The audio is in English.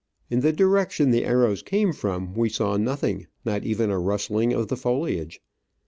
In the direction the arrows came from we saw nothing, —not even a rustling of the foliage.